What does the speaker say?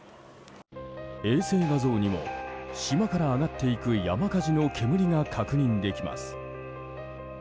衛星画像にも島から上がっていく山火事の煙が確認できます。